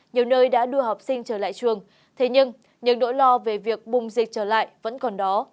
nhiều nơi đã đưa học sinh trở lại trường thế nhưng những nỗi lo về việc bùng dịch trở lại vẫn còn đó